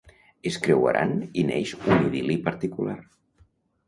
Es creuaran i neix un idil·li particular.